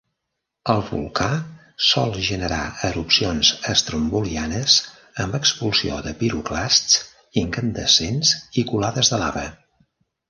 El volcà sol generar erupcions estrombolianes amb expulsió de piroclasts incandescents i colades de lava.